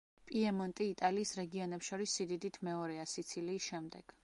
პიემონტი იტალიის რეგიონებს შორის სიდიდით მეორეა, სიცილიის შემდეგ.